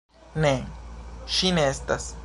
Ne, ŝi ne estas.